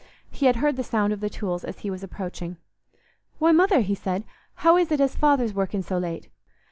He had heard the sound of the tools as he was approaching. "Why, Mother," he said, "how is it as Father's working so late?"